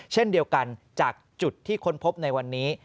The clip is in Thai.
เช่นเดียวกันจากจุดที่ค้นพบในวันนี้